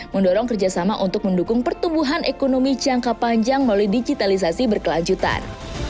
mendorong kerjasama untuk mendukung pertumbuhan ekonomi jangka panjang melalui digitalisasi berkelanjutan